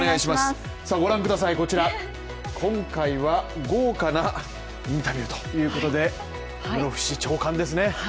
御覧ください、こちら今回は豪華なインタビューということで室伏長官ですね。